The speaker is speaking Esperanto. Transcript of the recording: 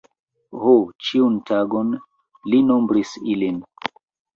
Ho, ĉiun tagon li nombris ilin.